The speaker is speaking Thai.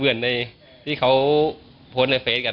เหมือนในที่เขาโพสต์ในเฟสกัน